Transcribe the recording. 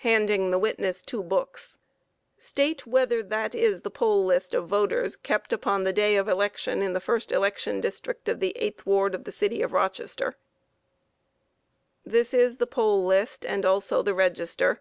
Q. (Handing witness two books.) State whether that is the poll list of voters kept upon the day of election in the first election district of the 8th ward, of the city of Rochester? A. This is the poll list, and also the register.